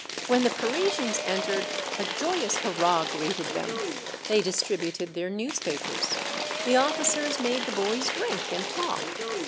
When the Parisians entered, a joyous hurrah greeted them. They distributed their newspapers. The officers made the boys drink and talk.